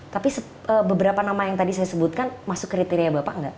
tapi beberapa nama yang tadi saya sebutkan masuk kriteria bapak nggak